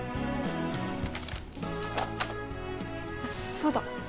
そうだ。